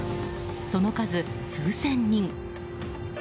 その数、数千人。